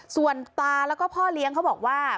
ส่วนตาแล้วก็พ่อเลี้ยงเขาบอกว่า